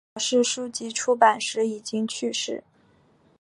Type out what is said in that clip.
表示书籍出版时已经去世。